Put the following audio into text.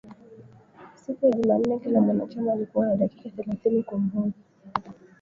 Siku ya jumanne kila mwanachama alikuwa na dakika thelathini kumhoji